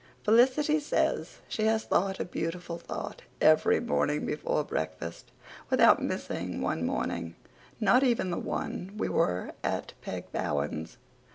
Felicity says she has thought a beautiful thought every morning before breakfast without missing one morning, not even the one we were at Peg Bowen's.